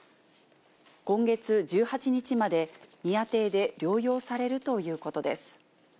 今月１８日まで宮邸で療養されるということです。